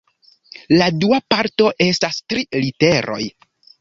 La dua parto estas tri literoj.